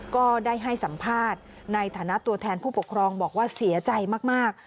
ก็ได้ให้สัมภาษณ์ในฐานะตัวแทนผู้ปกครองบอกว่าเสียใจมาก